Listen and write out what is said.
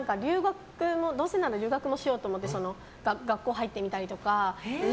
どうせなら留学もしようと思って学校に入ってみたりとか。